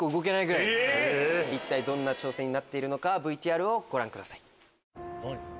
一体どんな挑戦になっているのかＶＴＲをご覧ください。